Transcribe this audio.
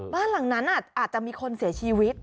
บ้านหลังนั้นอาจจะมีคนเสียชีวิต